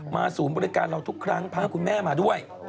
ศูนย์บริการเราทุกครั้งพาคุณแม่มาด้วย